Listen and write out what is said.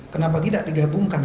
kenapa tidak digabungkan